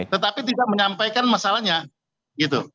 tetapi tidak menyampaikan masalahnya gitu